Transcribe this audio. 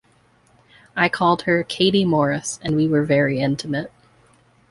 I called her Katie Maurice, and we were very intimate.